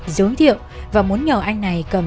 giới thiệu và muốn nhờ anh này cầm